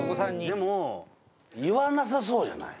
でも言わなさそうじゃない？